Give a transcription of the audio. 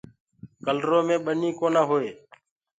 ڪلرو مي ٻنيٚ ڪونآ هوئي